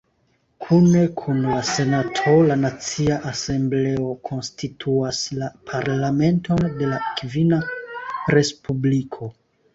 Kune kun la Senato, la Nacia Asembleo konstituas la Parlamenton de la Kvina Respubliko.